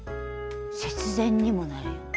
節電にもなるよね。